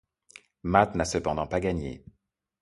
Matt n'a cependant pas gagné.